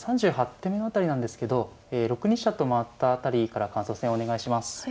３８手目辺りなんですけど６二飛車と回った辺りから感想戦お願いします。